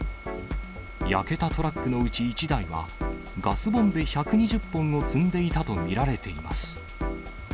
焼けたトラックのうち１台は、ガスボンベ１２０本を積んでいたと見られています。